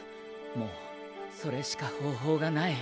もうそれしか方法がない。